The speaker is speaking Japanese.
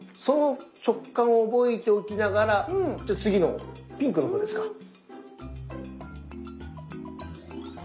その食感を覚えておきながら次のピンクの方ですか。